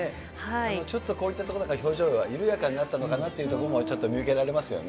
ちょっとこういった所だから、表情が緩やかになったのかなというところもちょっと見受けられますよね。